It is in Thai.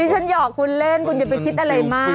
ฉันหอกคุณเล่นคุณอย่าไปคิดอะไรมาก